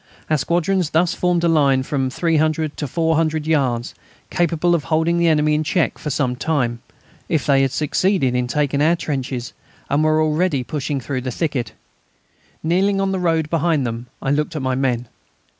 Our squadrons thus formed a line of from 300 to 400 yards, capable of holding the enemy in check for some time, if they had succeeded in taking our trenches and were already pushing through the thicket. Kneeling on the road behind them, I looked at my men.